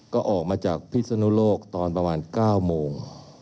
ก็ออกมาจากพิศนุโลกตอนประมาณ๙โมง